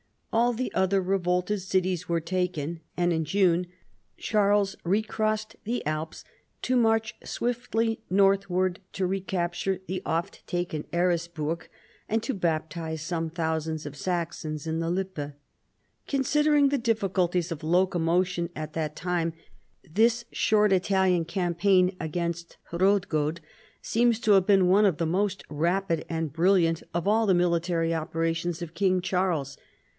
All the other revolted cities were taken, and in June Charles recrossed the Alps to march swiftly northward to recapture the oft taken Eresburg, and to baptize some thousands of Saxons in the Lippe. Considering the difficulties of locomotion at that time this short Italian campaign against Hrodgaud seems to have been one of the most rapid and bril liant of all the military operations of King Charles.